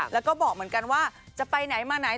แล้วก็บอกเหมือนกันว่าจะไปไหนมาไหน